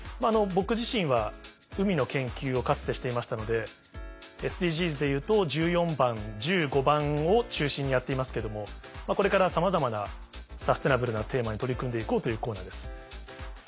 僕自身は海の研究をかつてしていましたのでＳＤＧｓでいうと１４番１５番を中心にやっていますけどもこれからさまざまなサステナブルなテーマに取り組んで行こうというコーナーです。